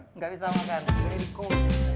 tidak bisa makan